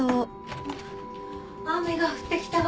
雨が降ってきたわね